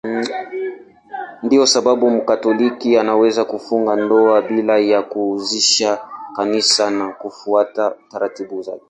Ndiyo sababu Mkatoliki hawezi kufunga ndoa bila ya kuhusisha Kanisa na kufuata taratibu zake.